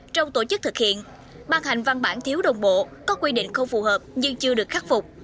trong tổ chức thực hiện ban hành văn bản thiếu đồng bộ có quy định không phù hợp nhưng chưa được khắc phục